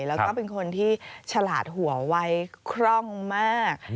แล้วก็เป็นคนที่ฉลาดหัววัยคร่องมาก